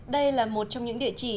đây là một trong những địa chỉ